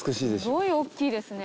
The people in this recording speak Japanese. すごい大きいですね